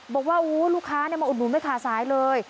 บอกว่าลูกค้ามาอุดหนุนไม่ขาดสายเลย